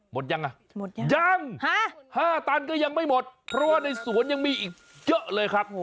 หมดยังอ่ะหมดยังยังห้าตันก็ยังไม่หมดเพราะว่าในสวนยังมีอีกเยอะเลยครับ